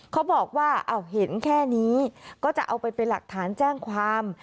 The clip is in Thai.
เขาบอกว่าเห็นแค่นี้ก็จะเอาไปเป็นหลักฐานแจ้งความ